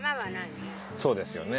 そうですよね。